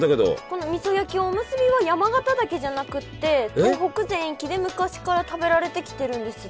このみそ焼きおむすびは山形だけじゃなくって東北全域で昔から食べられてきてるんです。